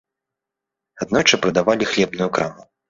Аднойчы прадавалі хлебную краму.